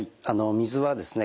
水はですね